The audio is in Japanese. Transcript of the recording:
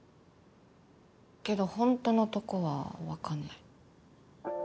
けどほんとのとこはわかんない。